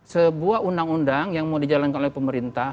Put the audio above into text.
sebuah undang undang yang mau dijalankan oleh pemerintah